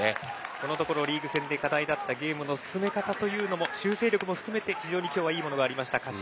このところリーグ戦で課題だった、ゲームの進め方も修正力も含めて非常に今日はいいものがあった柏。